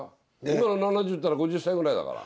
今の７０ったら５０歳ぐらいだから。